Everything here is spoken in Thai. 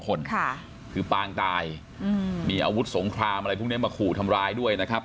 ใครคือปล่างตายมีอาวุธสงครามอะไรพรุ่งนี้มาขู่ทำร้ายด้วยนะครับ